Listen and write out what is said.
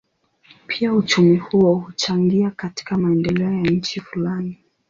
Pia uchumi huo huchangia katika maendeleo ya nchi fulani.